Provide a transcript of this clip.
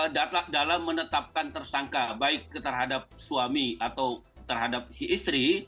dalam menetapkan tersangka baik terhadap suami atau terhadap si istri